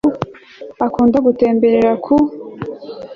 akunda gutemberera ku